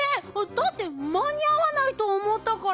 だってまにあわないとおもったから。